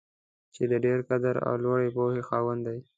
چې د ډېر قدر او لوړې پوهې خاوند دی.